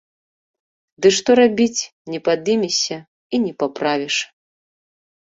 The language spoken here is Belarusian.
Ды што рабіць, не падымешся і не паправіш.